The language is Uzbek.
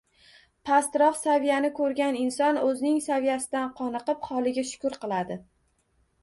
Pastroq saviyani ko'rgan inson o‘zining saviyasidan qoniqib, holiga shukr qiladi.